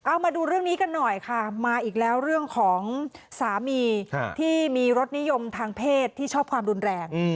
เอามาดูเรื่องนี้กันหน่อยค่ะมาอีกแล้วเรื่องของสามีที่มีรสนิยมทางเพศที่ชอบความรุนแรง